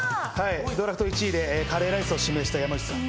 ドラフト１位でカレーライスを指名した山内さん。